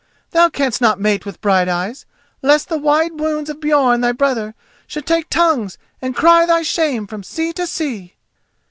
Thou canst not mate with Brighteyes, lest the wide wounds of Björn thy brother should take tongues and cry thy shame from sea to sea!"